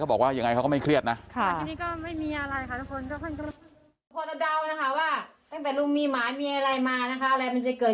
ก็บอกว่ายังไงเขาไม่เครียดนะค่ะมันจะเกิดขึ้นกับเรานะ